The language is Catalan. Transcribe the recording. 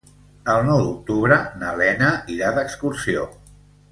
El nou d'octubre na Lena irà d'excursió.